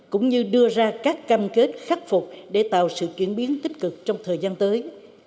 cũng như đưa ra các cam kết khắc phục để tạo sự chuyển biến tích cực trong thời gian tới